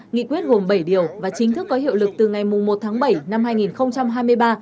nghị quyết gồm bảy điều và chính thức có hiệu lực từ ngày một tháng bảy năm hai nghìn hai mươi ba